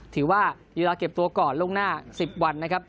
ถือว่ามีเวลาเก็บตัวก่อนล่วงหน้า๑๐วันนะครับ